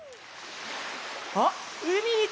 あっうみについたよ！